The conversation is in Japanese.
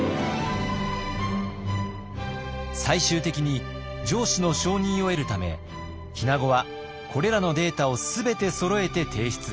最終的に上司の承認を得るため日名子はこれらのデータを全てそろえて提出。